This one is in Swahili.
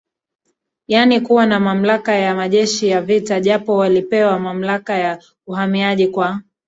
yaani kuwa na mamlaka ya majeshi ya vita japo walipewa mamlaka ya Uhamiaji kwa